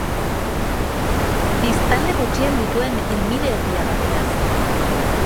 Biztanle gutxien dituen emirerria da beraz.